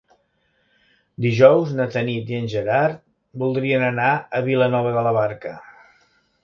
Dijous na Tanit i en Gerard voldrien anar a Vilanova de la Barca.